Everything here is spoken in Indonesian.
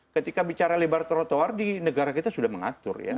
ketika bicara lebar trotoar di negara kita sudah mengatur ya